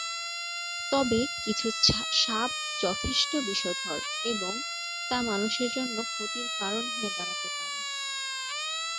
তবে কিছু সাপ যথেষ্ট বিষধর, এবং তা মানুষের জন্য ক্ষতির কারণ হয়ে দাঁড়াতে পারে।